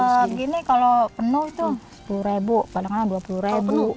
segini kalau penuh itu sepuluh ribu kadang kadang dua puluh ribu